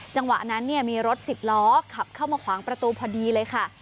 จังหวะนั้นมีรถ๑๐ล้อขับเข้ามาขวางประตูพอดีเลยค่ะ